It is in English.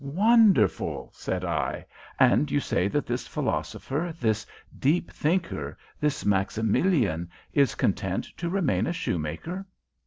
'" "Wonderful," said I. "And you say that this philosopher, this deep thinker, this Maximilian, is content to remain a shoemaker?"